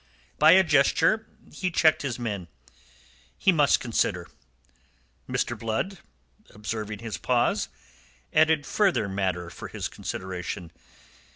By a gesture he checked his men. He must consider. Mr. Blood, observing his pause, added further matter for his consideration.